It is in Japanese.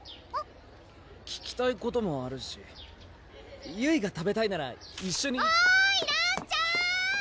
聞きたいこともあるしゆいが食べたいなら一緒においらんちゃん！